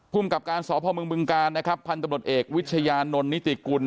พุ่มกับการสพมบกพันธบรรดเอกวิชญานนต์นิจิกุล